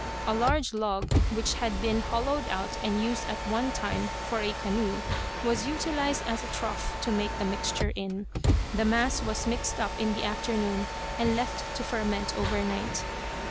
A large log which had been hollowed out and used at one time for a canoe, was utilized as a trough to make the mixture in. The mass was mixed up in the afternoon and left to ferment overnight.